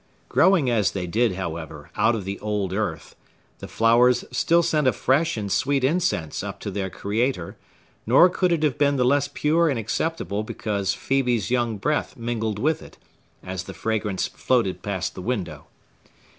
Growing as they did, however, out of the old earth, the flowers still sent a fresh and sweet incense up to their Creator; nor could it have been the less pure and acceptable because Phœbe's young breath mingled with it, as the fragrance floated past the window.